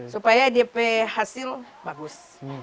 supaya hasil bagus